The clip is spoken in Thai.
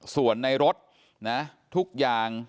ส่วนในรถนะทุกอย่าง